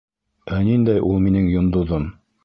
— Ә ниндәй ул минең йондоҙом?